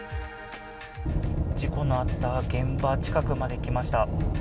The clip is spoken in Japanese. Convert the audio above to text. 事故のあった現場近くまで来ました。